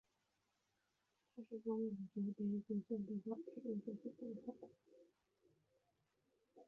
它是中美洲第一座现代化体育和活动场馆。